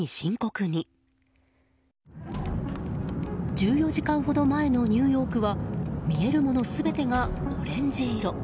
１４時間ほど前のニューヨークは見えるもの全てがオレンジ色。